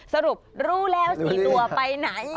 สรุปรู้แล้ว๔ตัวไปไหน